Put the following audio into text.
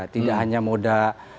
tidak hanya moda